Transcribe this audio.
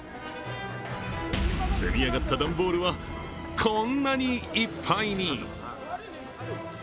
積み上がった段ボールは、こんなにいっぱいに。